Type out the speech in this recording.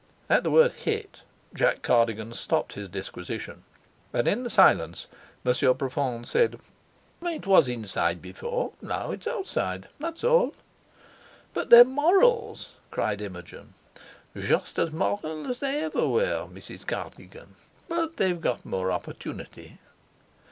At the word "hit" Jack Cardigan stopped his disquisition; and in the silence Monsieur Profond said: "It was inside before, now it's outside; that's all." "But their morals!" cried Imogen. "Just as moral as they ever were, Mrs. Cardigan, but they've got more opportunity."